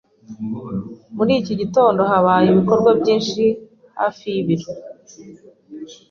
Muri iki gitondo habaye ibikorwa byinshi hafi y'ibiro.